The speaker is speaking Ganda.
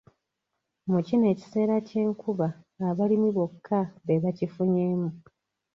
Mu kino ekiseera ky'enkuba balimi bokka be bakifunyemu.